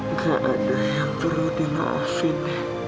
nggak ada yang perlu dimaafin